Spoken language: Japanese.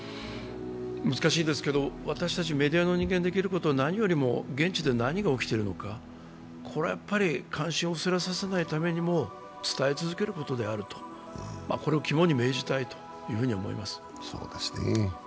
難しいですけど私たちメディアの人間ができることは何よりも現地で何が起きているのか、これを関心を薄れさせないためにも伝え続けることである、これを肝に銘じたいと思います。